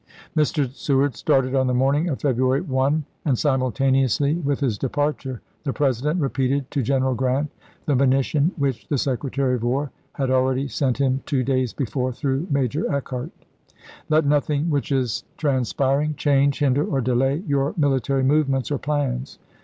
ms. Mr. Seward started on the morning of February 1, and simultaneously with his departure the Presi dent repeated to General Grant the monition which the Secretary of War had already sent him two days before through Major Eckert. " Let nothing which is transpiring change, hinder, or delay your mili ^rant,*0 tary movements or plans."